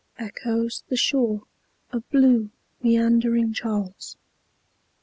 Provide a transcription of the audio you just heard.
Echoes the shore of blue meandering Charles.